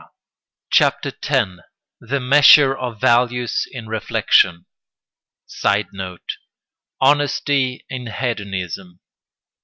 ] CHAPTER X—THE MEASURE OF VALUES IN REFLECTION [Sidenote: Honesty in hedonism.